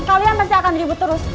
kalian pasti akan ribut terus